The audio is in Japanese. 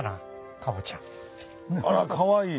あらかわいい！